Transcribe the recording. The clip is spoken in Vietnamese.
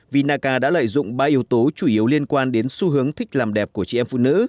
vinaca đã lợi dụng ba yếu tố chủ yếu liên quan đến xu hướng thích làm đẹp của chị em phụ nữ